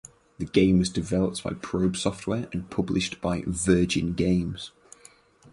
The game was developed by Probe Software and published by Virgin Games.